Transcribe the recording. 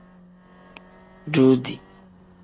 Duudi.